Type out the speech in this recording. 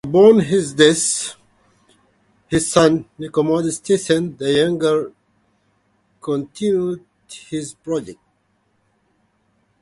Upon his death his son Nicodemus Tessin the Younger continued his projects.